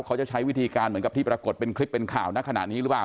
เขาจะใช้วิธีการเหมือนกับที่ปรากฏเป็นคลิปเป็นข่าวณขณะนี้หรือเปล่า